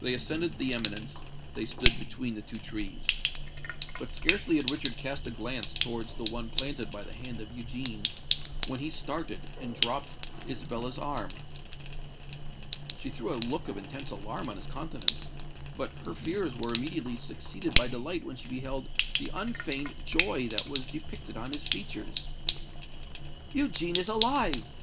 They ascended the eminence: they stood between the two trees. But scarcely had Richard cast a glance towards the one planted by the hand of Eugene, when he started, and dropped Isabella's arm. She threw a look of intense alarm on his countenance; but her fears were immediately succeeded by delight when she beheld the unfeigned joy that was depicted on his features. "Eugene is alive!